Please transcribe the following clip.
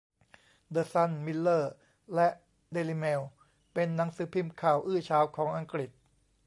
เดอะซัน มิลเลอร์และเดลิเมลเป็นหนังสือพิมพ์ข่าวอื้อฉาวของอังกฤษ